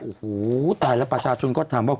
โอ้โหตายแล้วประชาชนก็ถามว่า